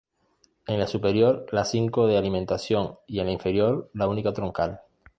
En la superior las cinco de alimentación y en la inferior, la única troncal.